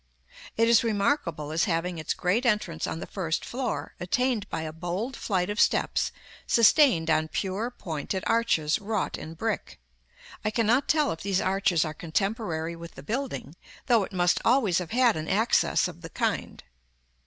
It is remarkable as having its great entrance on the first floor, attained by a bold flight of steps, sustained on pure pointed arches wrought in brick. I cannot tell if these arches are contemporary with the building, though it must always have had an access of the kind.